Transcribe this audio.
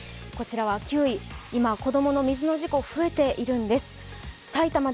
こちらは９位今、子供の水の事故が増えているんです。